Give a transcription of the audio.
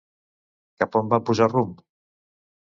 Cap on van posar rumb?